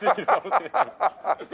ハハハハ。